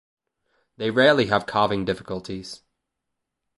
They rarely have calving difficulties.